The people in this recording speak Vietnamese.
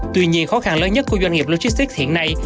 tuy nhiên khó khăn lớn nhất của doanh nghiệp logistics hiện nay